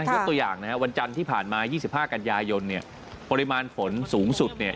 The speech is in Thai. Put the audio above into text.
ยกตัวอย่างนะครับวันจันทร์ที่ผ่านมา๒๕กันยายนเนี่ยปริมาณฝนสูงสุดเนี่ย